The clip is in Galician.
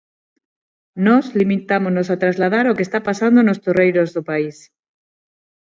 Nós limitámonos a trasladar o que está pasando nos torreiros do país.